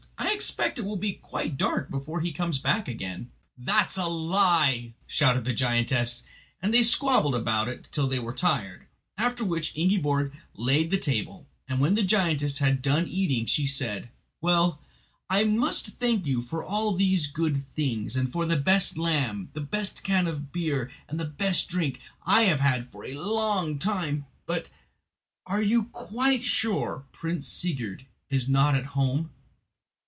I expect it will be quite dark before he comes back again." "That's a lie!" shouted the giantess. And they squabbled about it till they were tired, after which Ingiborg laid the table; and when the giantess had done eating she said: "Well, I must thank you for all these good things, and for the best lamb, the best can of beer and the best drink I have had for a long time; but—are you quite sure Prince Sigurd is not at home?"